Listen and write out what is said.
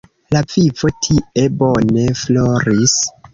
La vivo tie bone floris.